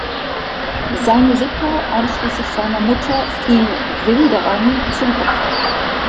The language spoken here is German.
Seine Sippe einschließlich seiner Mutter fiel Wilderern zum Opfer.